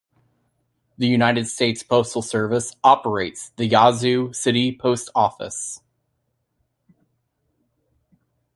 The United States Postal Service operates the Yazoo City Post Office.